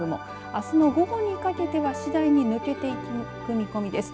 あすの午後にかけては次第に抜けていく見込みです。